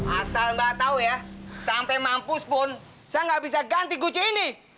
asal mbak tahu ya sampai mampus pun saya nggak bisa ganti guci ini